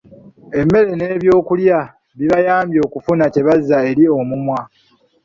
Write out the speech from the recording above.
Emmere n’ebyokulya bibayambe okufuna kye bazza eri omumwa.